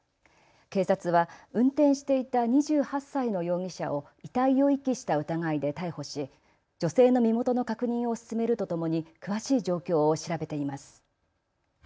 警察は運転していた２８歳の容疑者を遺体を遺棄した疑いで逮捕し、女性の身元の確認を進めるとともに詳しい状況を調べています。